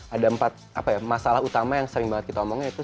ada empat apa ya masalah utama yang sering banget kita omongin itu